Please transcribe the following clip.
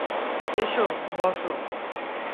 এসো, বসো।